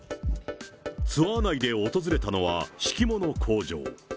ツアー内で訪れたのは、敷物工場。